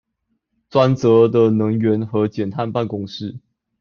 專責的能源和減碳辦公室